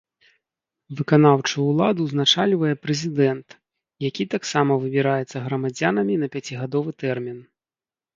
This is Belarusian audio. Выканаўчую ўладу ўзначальвае прэзідэнт, які таксама выбіраецца грамадзянамі на пяцігадовы тэрмін.